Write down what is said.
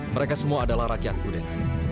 mereka semua adalah rakyatku ben